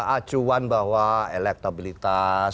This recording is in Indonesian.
acuan bahwa elektabilitas